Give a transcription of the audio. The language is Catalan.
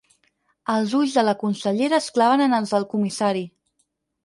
Els ulls de la consellera es claven en els del comissari.